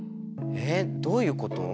えっどういうこと？